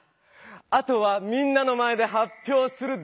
あとはみんなの前ではっぴょうするだけ！